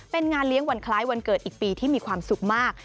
เป็นงานเลี้ยงวันคล้ายวันเกิดอีกปีที่มีความสุขมาก